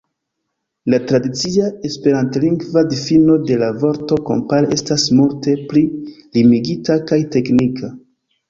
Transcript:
La tradicia esperantlingva difino de la vorto kompare estas multe pli limigita kaj teknika.